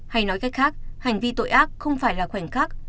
hay nói cách khác hành vi tội ác không phải là khoảnh khắc